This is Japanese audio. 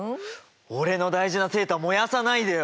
俺の大事なセーター燃やさないでよ！